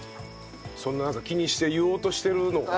そんななんか気にして言おうとしてるのが。